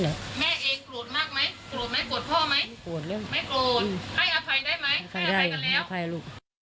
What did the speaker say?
ให้อภัยได้ไหมข้ายอภัยกันแล้ว